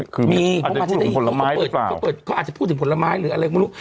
คือมีอาจจะพูดถึงผลไม้หรือเปล่าเค้าอาจจะพูดถึงผลไม้หรืออะไรไม่รู้